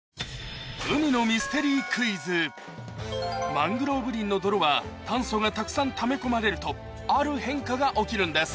マングローブ林の泥は炭素がたくさんため込まれるとある変化が起きるんです